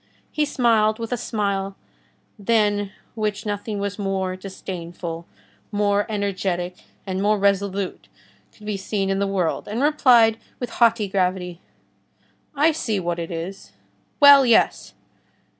He smiled with a smile than which nothing more disdainful, more energetic, and more resolute could be seen in the world, and replied with haughty gravity:— "I see what it is. Well, yes!"